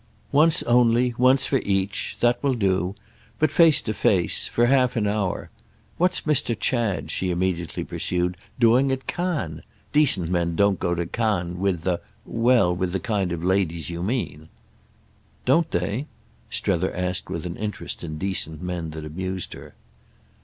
Once only—once for each; that will do. But face to face—for half an hour. What's Mr. Chad," she immediately pursued, "doing at Cannes? Decent men don't go to Cannes with the—well, with the kind of ladies you mean." "Don't they?" Strether asked with an interest in decent men that amused her.